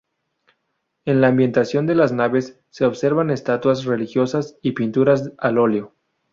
En la ambientación de las naves se observan estatuas religiosas y pinturas al óleo.